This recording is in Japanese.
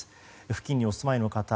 付近にお住まいの方